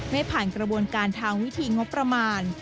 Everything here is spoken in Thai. ไม่ผ่านกระบวนการทางวิธีงบประมาณ